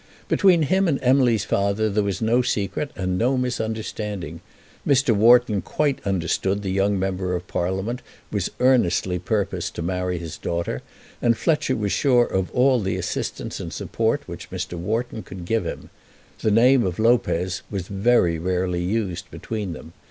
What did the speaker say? Between him and Emily's father there was no secret and no misunderstanding. Mr. Wharton quite understood that the young member of Parliament was earnestly purposed to marry his daughter, and Fletcher was sure of all the assistance and support which Mr. Wharton could give him. The name of Lopez was very rarely used between them.